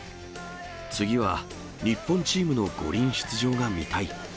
次は日本チームの五輪出場が見たい。